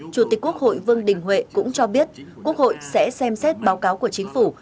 chủ tịch quốc hội vương đình huệ cũng cho biết quốc hội sẽ xem xét báo cáo của chính phủ